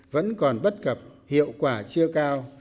vẫn còn bất cập hiệu quả chưa cao